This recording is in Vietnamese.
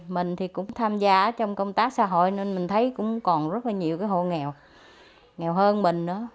mình thì cũng tham gia trong công tác xã hội nên mình thấy cũng còn rất là nhiều cái hộ nghèo nghèo hơn mình đó